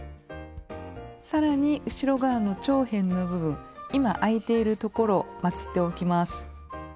さらに後ろ側の長辺の部分今開いているところをまつっておきます。